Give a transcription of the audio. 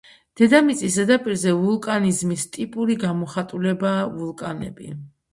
დედამიწის ზედაპირზე ვულკანიზმის ტიპური გამოხატულებაა ვულკანები.